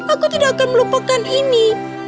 aku tidak akan melupakan ini